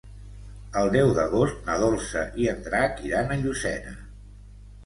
El deu d'agost na Dolça i en Drac iran a Llucena.